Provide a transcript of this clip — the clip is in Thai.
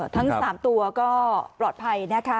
ทั้ง๓ตัวก็ปลอดภัยนะคะ